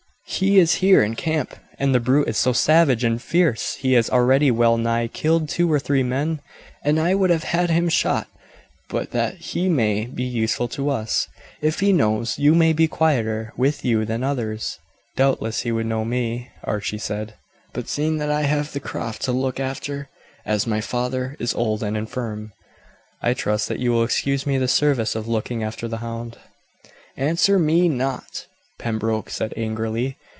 He is here in camp, and the brute is so savage and fierce he has already well nigh killed two or three men; and I would have had him shot but that he may be useful to us. If he knows you he may be quieter with you than others." "Doubtless he would know me," Archie said; "but seeing that I have the croft to look after, as my father is old and infirm, I trust that you will excuse me the service of looking after the hound." "Answer me not," Pembroke said angrily.